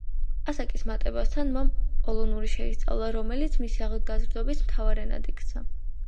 ასაკის მატებასთან მან პოლონური შეისწავლა, რომელიც მისი ახალგაზრდობის მთავარ ენად იქცა.